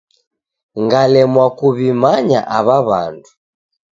Ngalemwa kuw'imanya aw'a w'andu.